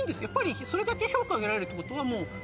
やっぱりそれだけ評価を得られるってことはもう。